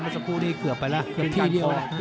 ดูเดี๋ยวค่ะเกือกไปแล้วกันทีเดียว